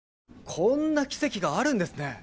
こんな奇跡があるんですね。